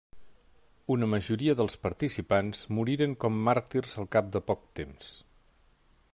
Una majoria dels participants moriren com màrtirs al cap de poc temps.